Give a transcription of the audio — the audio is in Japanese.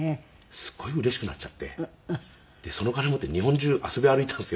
すごいうれしくなっちゃってそのお金持って日本中遊び歩いたんですよ。